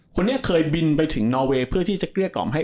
คนนี้เคยบินไปถึงนอเวย์เพื่อที่จะเกลี้ยกล่อมให้